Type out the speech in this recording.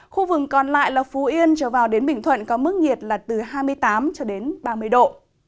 khu vực còn lại là phú yên trở vào đến bình thuận có mức nhiệt là từ hai mươi tám cho đến ba mươi độ